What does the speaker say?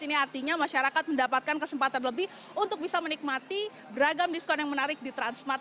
ini artinya masyarakat mendapatkan kesempatan lebih untuk bisa menikmati beragam diskon yang menarik di transmart